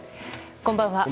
こんばんは。